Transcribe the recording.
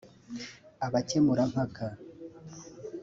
Abakemurampaka